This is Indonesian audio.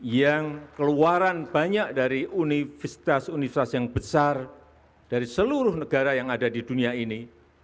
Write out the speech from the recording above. yang keluaran banyak dari universitas universitas yang besar dari seluruh negara yang ada di dunia ini